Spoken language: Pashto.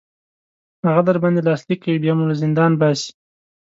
هغه در باندې لاسلیک کوي بیا مو له زندان باسي.